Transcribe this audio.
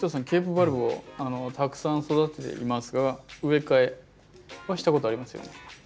ケープバルブをたくさん育てていますが植え替えはしたことありますよね？